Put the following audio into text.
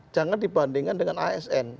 jangan dibandingkan dengan asn